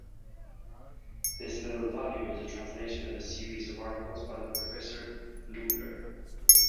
This little volume is a translation of a series of articles by Professor Bleuler.